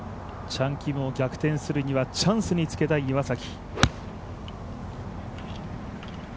チャン・キムを逆転するにはチャンスにつけたい岩崎。